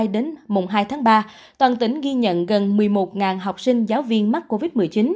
đến mùng hai tháng ba toàn tỉnh ghi nhận gần một mươi một học sinh giáo viên mắc covid một mươi chín